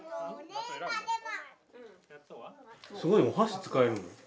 すごいお箸使えるの？